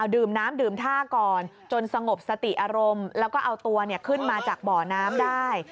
ดื่มน้ำดื่มท่าก่อนจนสงบสติอารมณ์แล้วก็เอาตัวขึ้นมาจากบ่อน้ำได้